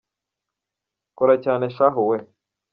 kora cyane shahu we